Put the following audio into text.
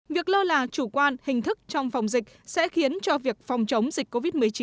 việc lơ là chủ quan hình thức trong phòng dịch sẽ khiến cho việc phòng chống dịch covid một mươi chín